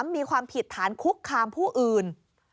มีความผิดฐานคุกคามผู้อื่น